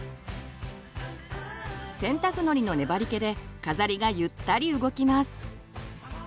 洗濯のりの粘りけで飾りがゆったり動きます。